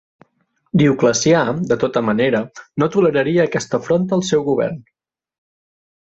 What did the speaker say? Dioclecià, de tota manera, no toleraria aquesta afronta al seu govern.